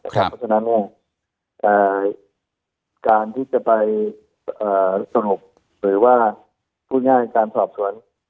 เพราะฉะนั้นการที่จะไปสรุปหรือว่าพูดง่ายการสอบสวน